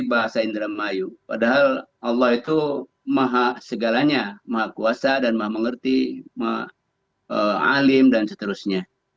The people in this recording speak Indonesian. bahasa indramayu padahal allah itu maha segalanya maha kuasa dan maha mengerti ma alim dan seterusnya